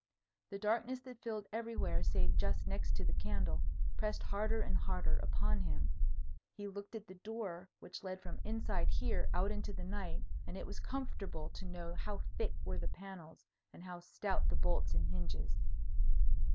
The darkness that filled everywhere save just next to the candle, pressed harder and harder upon him. He looked at the door which led from inside here out into the night, and it was comfortable to know how thick were the panels and how stout the bolts and hinges.